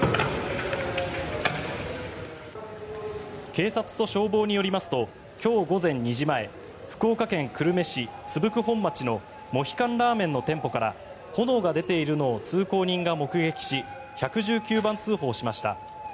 警察と消防によりますと今日午前２時前福岡県久留米市津福本町のモヒカンらーめんの店舗から炎が出ているのを通行人が目撃し１１９番通報しました。